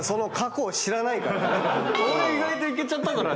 俺意外といけちゃったから。